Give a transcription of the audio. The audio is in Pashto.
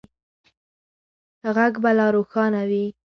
غږ به لا روښانه وي.